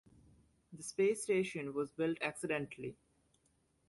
The space station was built accidentally.